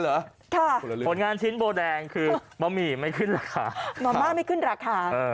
ช่วยเราได้เหรอผลงานชิ้นโบแดงคือมะมี่ไม่ขึ้นราคามะม่าไม่ขึ้นราคา